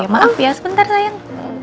maaf ya sebentar sayang